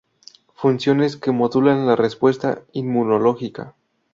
Funciones que modulan la respuesta inmunológica.